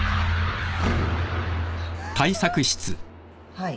はい。